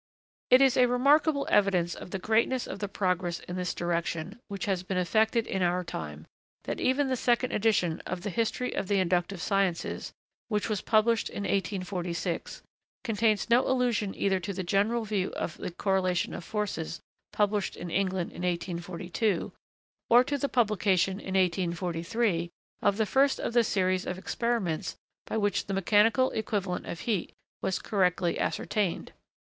It is a remarkable evidence of the greatness of the progress in this direction which has been effected in our time, that even the second edition of the 'History of the Inductive Sciences,' which was published in 1846, contains no allusion either to the general view of the 'Correlation of Forces' published in England in 1842, or to the publication in 1843 of the first of the series of experiments by which the mechanical equivalent of heat was correctly ascertained.